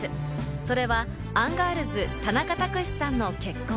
それは、アンガールズ・田中卓志さんの結婚。